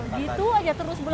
gitu aja terus bulat balik